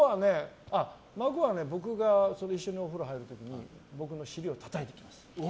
孫はね、僕がお風呂一緒に入る時に僕の尻をたたいてきます。